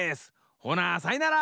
ほなさいなら！